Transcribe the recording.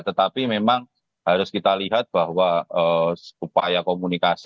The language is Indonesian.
tetapi memang harus kita lihat bahwa upaya komunikasi